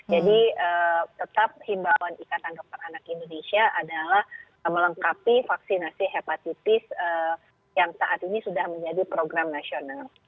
jadi tetap himbawan ikatan keperanak indonesia adalah melengkapi vaksinasi hepatitis yang saat ini sudah menjadi program nasional